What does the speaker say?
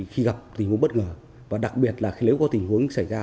khi gặp tình huống bất ngờ và đặc biệt là khi nếu có tình huống xảy ra